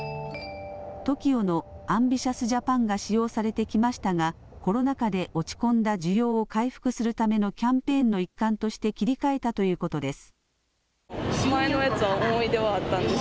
ＴＯＫＩＯのＡＭＢＩＴＩＯＵＳＪＡＰＡＮ！が使用されてきましたがコロナ禍で落ち込んだ需要を回復するためのキャンペーンの一環として切り替えたということです。